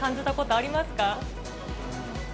あります？